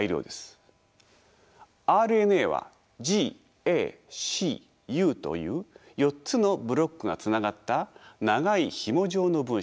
ＲＮＡはＧＡＣＵという４つのブロックがつながった長いひも状の分子です。